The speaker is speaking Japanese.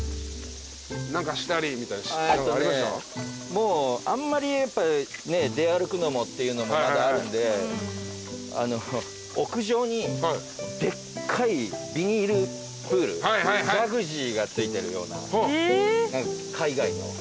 もうあんまりやっぱ出歩くのもっていうのもまだあるんで屋上にでっかいビニールプールジャグジーが付いてるような海外の。